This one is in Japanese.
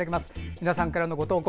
皆さんからのご投稿